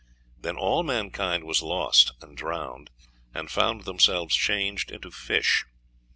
Then all mankind was lost and drowned, and found themselves changed into fish.